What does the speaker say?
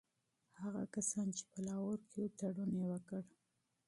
هغه کسان چي په لاهور کي وو تړون یې وکړ.